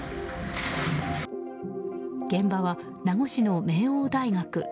現場は、名護市の名桜大学。